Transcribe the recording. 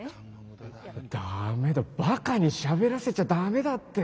ダメだバカにしゃべらせちゃダメだって。